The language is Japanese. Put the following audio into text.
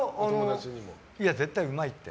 絶対うまいって。